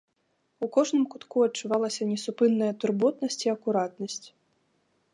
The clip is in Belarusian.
У кожным кутку адчувалася несупынная турботнасць і акуратнасць.